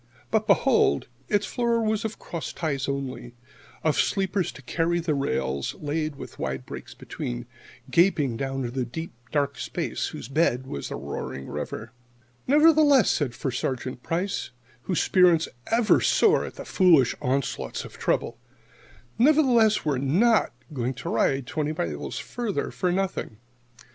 But behold, its floor was of cross ties only of sleepers to carry the rails, laid with wide breaks between, gaping down into deep, dark space whose bed was the roaring river. "Nevertheless," said First Sergeant Price, whose spirits ever soar at the foolish onslaughts of trouble "nevertheless, we're not going to ride twenty miles farther for nothing.